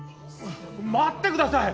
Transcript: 待ってください！